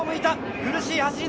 苦しい走りだ。